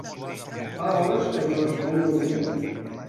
Fa hores que no es mou del museu.